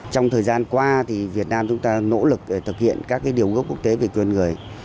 trong thời gian qua thì việt nam chúng ta nỗ lực để thực hiện các điều gốc quốc tế về quyền người